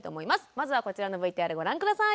まずはこちらのＶＴＲご覧下さい。